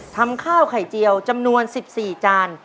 ทำข้าวไข่เจียวจำนวน๑๔จาน